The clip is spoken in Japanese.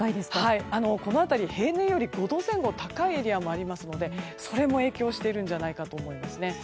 この辺り、平年より５度前後高いエリアもありますのでそれも影響しているんじゃないかと思います。